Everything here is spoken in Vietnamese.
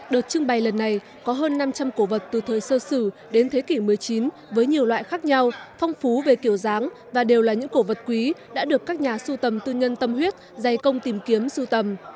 đợt trưng bày lần này có hơn năm trăm linh cổ vật từ thời sơ sử đến thế kỷ một mươi chín với nhiều loại khác nhau phong phú về kiểu dáng và đều là những cổ vật quý đã được các nhà sưu tầm tư nhân tâm huyết dày công tìm kiếm sưu tầm